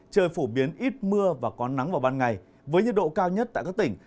trời phổ biến ít mưa và có nắng vào ban ngày với nhiệt độ cao nhất tại các tỉnh